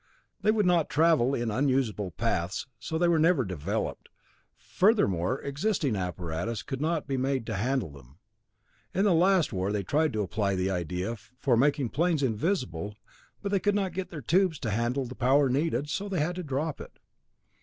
They would not travel in usable paths, so they were never developed. Furthermore, existing apparatus could not be made to handle them. In the last war they tried to apply the idea for making airplanes invisible, but they could not get their tubes to handle the power needed, so they had to drop it.